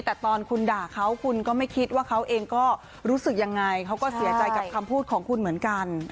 แต่ตอนคุณด่าเขาคุณก็ไม่คิดว่าเขาเองก็รู้สึกยังไงเขาก็เสียใจกับคำพูดของคุณเหมือนกัน